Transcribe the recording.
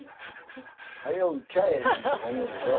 早う打ちゃええのにとか思うでしょ？